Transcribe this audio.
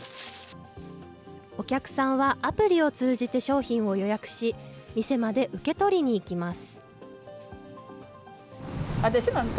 お客さんはアプリを通じて商品を予約し、店まで受け取りに行きます。